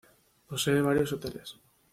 Posee varios hoteles.